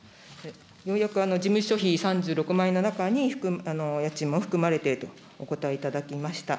ようやく事務所費３６万円の中に家賃も含まれてるとお答えいただきました。